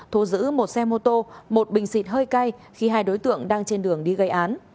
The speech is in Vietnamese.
thu giữ một xe mô tô một bình xịt hơi cay khi hai đối tượng đang trên đường đi gây án